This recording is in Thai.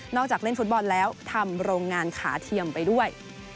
จากเล่นฟุตบอลแล้วทำโรงงานขาเทียมไปด้วย